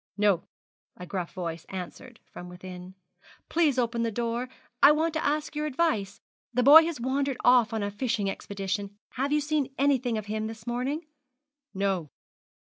'No,' a gruff voice answered from within. 'Please open the door, 'I want to ask your advice. The boy has wandered off on a fishing expedition. Have you seen anything of him this morning?' 'No.'